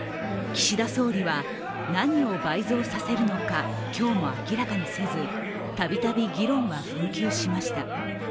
岸田総理は何を倍増させるのか、今日も明らかにせず、たびたび議論は紛糾しました。